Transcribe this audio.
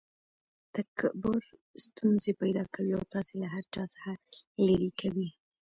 تکبر ستونزي پیدا کوي او تاسي له هر چا څخه ليري کوي.